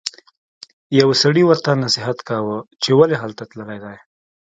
یو سړي ورته نصیحت کاوه چې ولې هلته تللی دی.